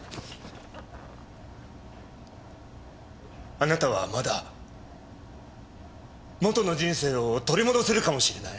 あなたはまだ元の人生を取り戻せるかもしれない。